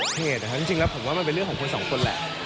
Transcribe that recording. เหตุนะครับจริงแล้วผมว่ามันเป็นเรื่องของคนสองคนแหละ